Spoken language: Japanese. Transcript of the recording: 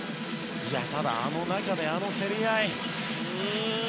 あの中で、あの競り合い。